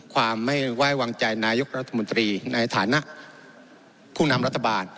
ความไม่ไว้วางใจนายกรัฐมนตรีในฐานะผู้นำรัฐบาล